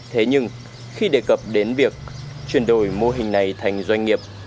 thế nhưng khi đề cập đến việc chuyển đổi mô hình này thành doanh nghiệp